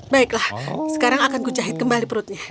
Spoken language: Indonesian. baiklah sekarang akan ku jahit kembali perutnya